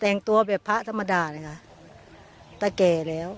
แต่งตัวแบบพระธรรมดาเลยค่ะแต่แก่แล้ว